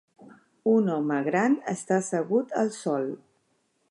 Un home gran està assegut al sol.